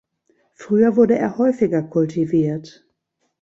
Früher wurde er häufiger kultiviert.